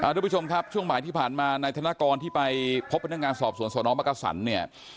อ้าวทุกผู้ชมครับช่วงหมายที่ผ่านมาในธนากรที่ไปพบเป็นทางงานสอบสวนสนมกษันเนี่ย